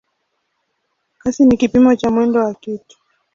Kasi ni kipimo cha mwendo wa kitu.